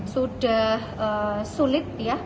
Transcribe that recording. juga dikenal sebagai